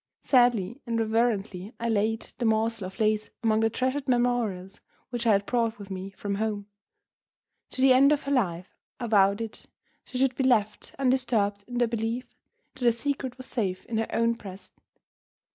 Sadly and reverently I laid the morsel of lace among the treasured memorials which I had brought with me from home. To the end of her life, I vowed it, she should be left undisturbed in the belief that her secret was safe in her own breast!